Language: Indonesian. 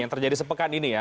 yang terjadi sepekan ini ya